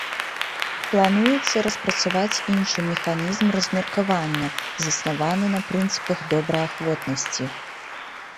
Плануецца распрацаваць іншы механізм размеркавання, заснаваны на прынцыпах добраахвотнасці.